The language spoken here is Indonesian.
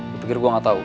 gue pikir gue gak tahu